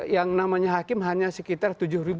yang namanya hakim hanya sekitar tujuh ribu lima ratus